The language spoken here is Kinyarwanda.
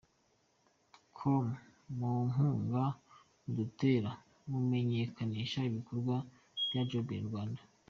com mu nkunga mudutera mumenyekanisha ibikorwa bya Job in Rwanda.